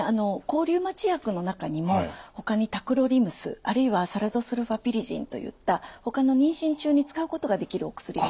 抗リウマチ薬の中にもほかにタクロリムスあるいはサラゾスルファピリジンといったほかの妊娠中に使うことができるお薬がありますので。